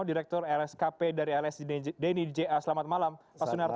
direktur lskp dari lsjdni ja selamat malam pak sunarto